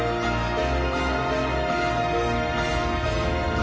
何？